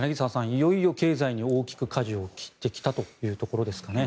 いよいよ経済に大きくかじを切ってきたというところですかね。